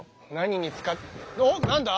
おおっ何だ。